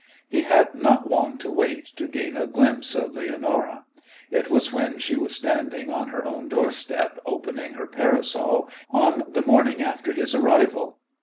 He had not long to wait to gain a glimpse of Leonora. It was when she was standing on her own doorstep, opening her parasol, on the morning after his arrival.